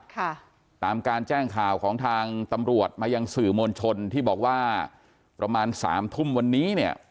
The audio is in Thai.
ค่ะตามการแจ้งข่าวของทางตำรวจมายังสื่อมวลชนที่บอกว่าประมาณสามทุ่มวันนี้เนี่ย